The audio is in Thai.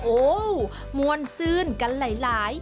โอ้วมวนซื้นกันหลาย